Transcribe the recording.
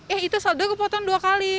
eh itu saldo kepotong dua kali